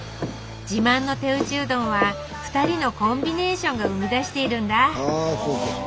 自慢の手打ちうどんは２人のコンビネーションが生み出しているんだ